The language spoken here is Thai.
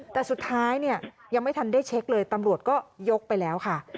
แต่สุดท้ายเนี่ยยังไม่ทันได้เช็คเลยตำรวจก็ยกไปแล้วค่ะ